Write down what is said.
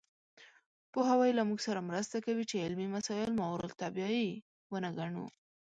پوهاوی له موږ سره مرسته کوي چې علمي مسایل ماورالطبیعي ونه ګڼو.